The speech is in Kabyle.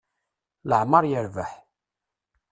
Leɛmer yerbeḥ.